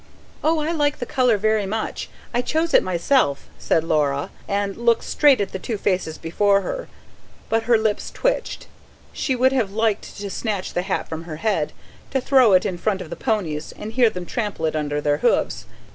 "Oh, I like the colour very much. I chose it myself," said Laura, and looked straight at the two faces before her. But her lips twitched. She would have liked to snatch the hat from her head, to throw it in front of the ponies and hear them trample it under their hoofs.